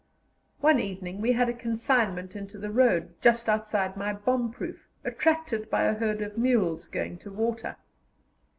One evening we had a consignment into the road just outside my bomb proof, attracted by a herd of mules going to water.